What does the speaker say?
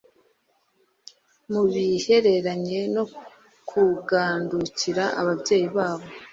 mu bihereranye no kugandukira ababyeyi babo